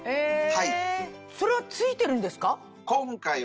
それは付いてるんですか？